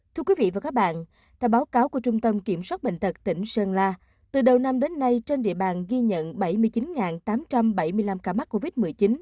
thưa quý vị và các bạn theo báo cáo của trung tâm kiểm soát bệnh tật tỉnh sơn la từ đầu năm đến nay trên địa bàn ghi nhận bảy mươi chín tám trăm bảy mươi năm ca mắc covid một mươi chín